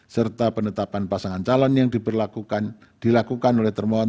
serta penetapan pasangan calon yang dilakukan oleh termohon